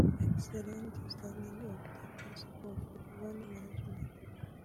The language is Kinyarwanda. Excellent understanding of the principles of revenue management